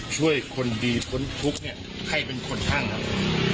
ช่วยคนดีพ้นทุกข์เนี่ยให้เป็นคนข้างครับ